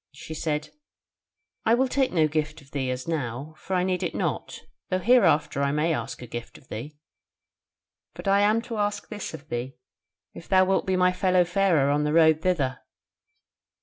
She said, 'I will take no gift of thee as now, for I need it not, though hereafter I may ask a gift of thee. But I am to ask this of thee, if thou wilt be my fellow farer on the road thither?'